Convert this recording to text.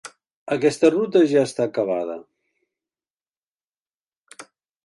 Aquesta ruta ja està acabada.